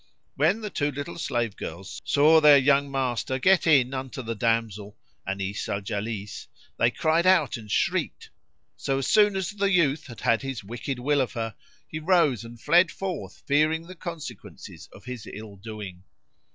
When the two little slave girls saw their young master get in unto the damsel, Anis al Jalis, they cried out and shrieked; so as soon as the youth had had his wicked will of her, he rose and fled forth fearing the consequences of his ill doing.